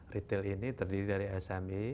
retail ini terdiri dari smi